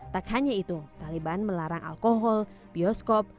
tak hanya itu taliban melarang alkohol bioskop